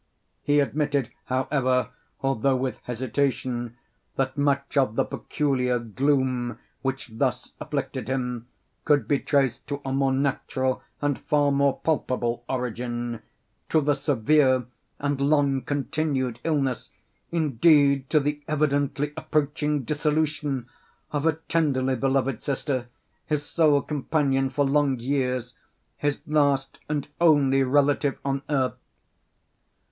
He admitted, however, although with hesitation, that much of the peculiar gloom which thus afflicted him could be traced to a more natural and far more palpable origin—to the severe and long continued illness—indeed to the evidently approaching dissolution—of a tenderly beloved sister—his sole companion for long years—his last and only relative on earth.